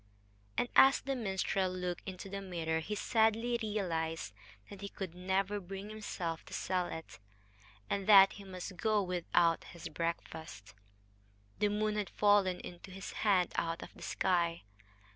And as the minstrel looked into the mirror he sadly realized that he could never bring himself to sell it and that he must go without his breakfast. The moon had fallen into his hand out of the sky.